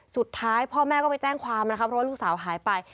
สุดท้ายพ่อแม่ก็ไปแจ้งความนะคะเพราะว่าลูกสาวหายไป